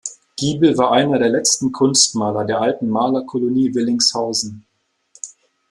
Giebel war einer der letzten Kunstmaler der alten Malerkolonie Willingshausen.